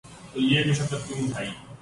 تو یہ مشقت کیوں اٹھائی؟